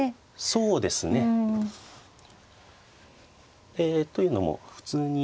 そうですね。えというのも普通に。